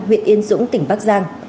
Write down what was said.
huyện yên dũng tỉnh bắc giang